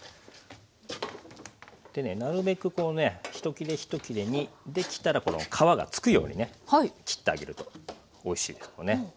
でねなるべくこうねひと切れひと切れにできたらこの皮がつくようにね切ってあげるとおいしいですけどね。